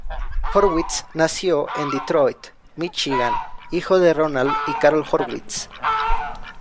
Horwitz nació en Detroit, Míchigan, hijo de Ronald y Carol Horwitz.